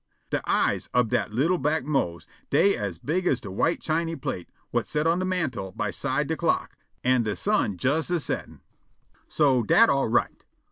De eyes ob dat li'l' black Mose dey as big as de white chiny plate whut set on de mantel by side de clock, an' de sun jes a settin'. So dat all right.